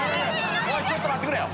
ちょっと待ってくれよ